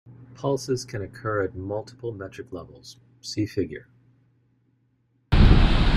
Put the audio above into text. Pulses can occur at multiple metric levels - see figure.